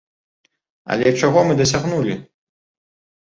Але чаго мы дасягнулі?